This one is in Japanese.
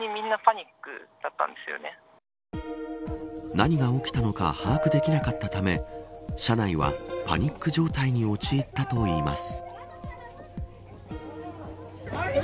何が起きたのか把握できなかったため車内はパニック状態に陥ったといいます。